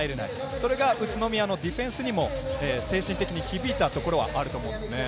それが宇都宮のディフェンスにも精神的に響いたところはあると思います。